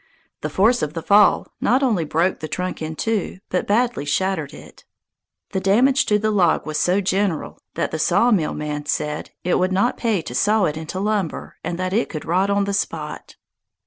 The force of the fall not only broke the trunk in two, but badly shattered it. The damage to the log was so general that the sawmill man said it would not pay to saw it into lumber and that it could rot on the spot.